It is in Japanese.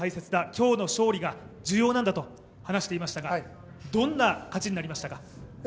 今日の勝利が重要なんだと話していましたが、どんな勝ちになりましたか？